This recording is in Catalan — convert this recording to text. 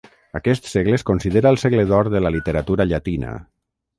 Aquest segle es considera el segle d'or de la literatura llatina.